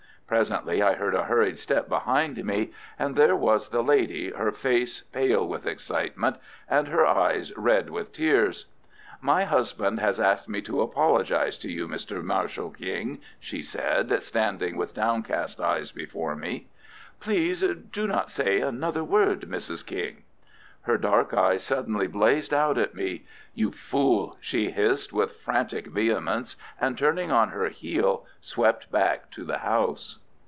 Presently I heard a hurried step behind me, and there was the lady, her face pale with excitement, and her eyes red with tears. "My husband has asked me to apologize to you, Mr. Marshall King," said she, standing with downcast eyes before me. "Please do not say another word, Mrs. King." Her dark eyes suddenly blazed out at me. "You fool!" she hissed, with frantic vehemence, and turning on her heel swept back to the house.